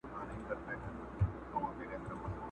اختر چي تېر سي بیا به راسي.!